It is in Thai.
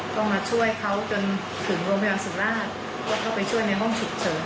ต้องมาช่วยเขาจนถึงโรงพยาบาลสุราชแล้วก็ไปช่วยในห้องฉุกเฉิน